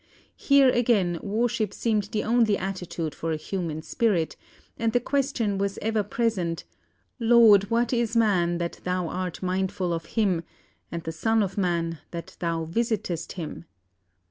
Here, again, worship seemed the only attitude for a human spirit, and the question was ever present, 'Lord, what is man, that Thou art mindful of him? and the son of man, that Thou visitest him?'